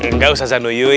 nggak usah zanuyuy